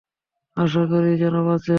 আশা করি যেন বাঁচে।